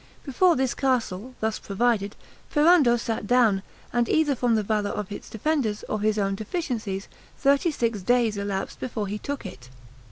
Before this castle, thus provided, Ferrando sat down, and either from the valor of its defenders or his own deficiencies, thirty six days elapsed before he took it.